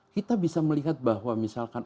kita bisa melihat bahwa misalkan